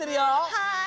はい！